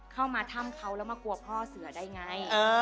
เข้ามาถ้ำเขาแล้วมากลัวพ่อเสือได้ไง